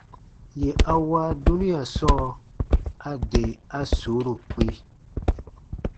Yè a wa dunia sɔɔ, a de a suuru kpĩ.